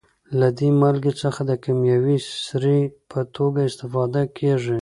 له دې مالګې څخه د کیمیاوي سرې په توګه استفاده کیږي.